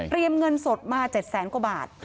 เรียมเงินสดมา๗๐๐กว่าบาท